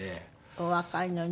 お若いのにね。